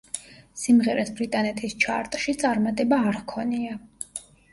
სიმღერას ბრიტანეთის ჩარტში წარმატება არ ჰქონია.